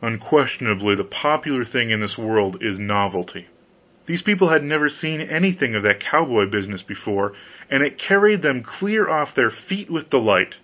Unquestionably, the popular thing in this world is novelty. These people had never seen anything of that cowboy business before, and it carried them clear off their feet with delight.